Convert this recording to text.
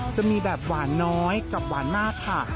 จะมีแบบหวานน้อยกับหวานมากค่ะ